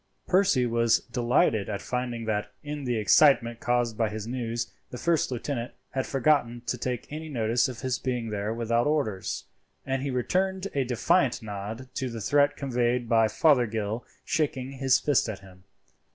Percy was delighted at finding that, in the excitement caused by his news, the first lieutenant had forgotten to take any notice of his being there without orders: and he returned a defiant nod to the threat conveyed by Fothergill shaking his fist at him.